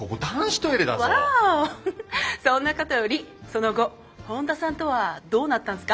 そんなことよりその後本田さんとはどうなったんすか？